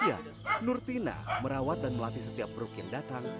ya nur tina merawat dan melatih setiap beruk yang datang